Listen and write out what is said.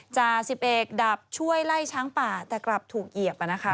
จา๑๑ดับช่วยไล่ช้างป่าแต่กลับถูกเหยียบ